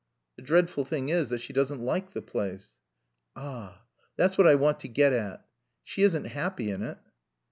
"The dreadful thing is that she doesn't like the place." "Ah that's what I want to get at. She isn't happy in it?"